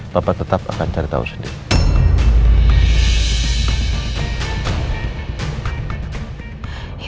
papa tetap akan cari tau sendiri